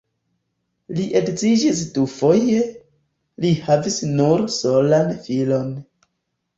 Li edziĝis dufoje, li havis nur solan filon.